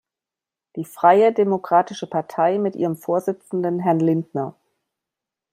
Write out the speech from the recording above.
Die freie Demokratische Partei mit ihrem Vorsitzenden Herrn Lindner.